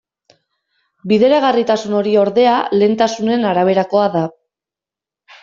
Bideragarritasun hori, ordea, lehentasunen araberakoa da.